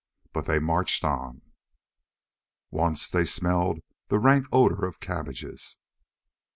But they marched on. Once they smelled the rank odor of cabbages.